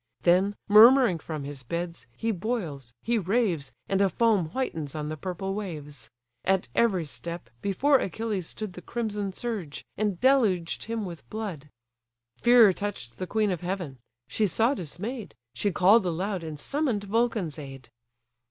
Then, murmuring from his beds, he boils, he raves, And a foam whitens on the purple waves: At every step, before Achilles stood The crimson surge, and deluged him with blood. Fear touch'd the queen of heaven: she saw dismay'd, She call'd aloud, and summon'd Vulcan's aid.